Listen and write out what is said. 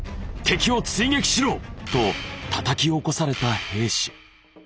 敵を追撃しろ！とたたき起こされた兵士。